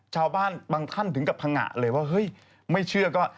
ชาวบ้านบางท่านถึงกับพังงะเลยว่าเฮ้ยไม่เชื่อก็